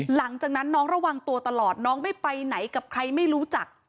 หลังจากนั้นน้องระวังตัวตลอดน้องไม่ไปไหนกับใครไม่รู้จัก